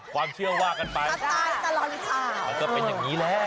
ความเชื่อว่ากันไปมันก็เป็นอย่างนี้แหละ